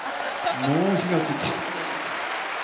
もう火が付いた。